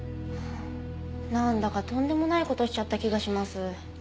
なんだかとんでもない事をしちゃった気がします。